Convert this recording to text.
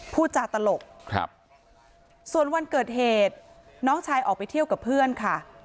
พูดจาตลกครับส่วนวันเกิดเหตุน้องชายออกไปเที่ยวกับเพื่อนค่ะ